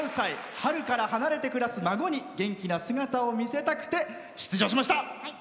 春から離れて暮らす孫に元気な姿を見せたくて出場しました。